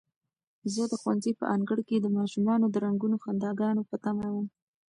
زه د ښوونځي په انګړ کې د ماشومانو د رنګینو خنداګانو په تمه وم.